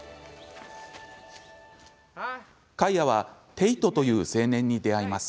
カイアはテイトという青年に出会います。